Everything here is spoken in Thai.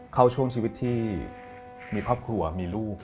ช่วงชีวิตที่มีครอบครัวมีลูก